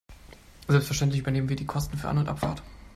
Selbstverständlich übernehmen wir die Kosten für An- und Abfahrt.